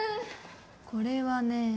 これはね